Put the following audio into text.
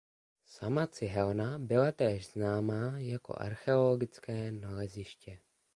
Sama cihelna byla též známá jako archeologické naleziště.